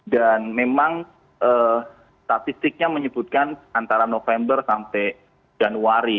dan memang statistiknya menyebutkan antara november sampai januari